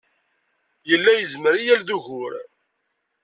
Yella yezmer i yal d ugur.